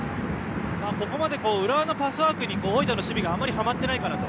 ここまで浦和のパスワークに大分の守備があまりはまっていないかなと。